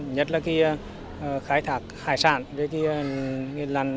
nhất là khai thác hải sản